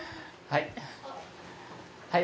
はい。